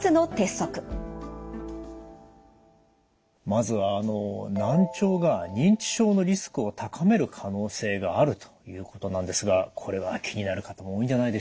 まずは難聴が認知症のリスクを高める可能性があるということなんですがこれは気になる方も多いんじゃないでしょうか。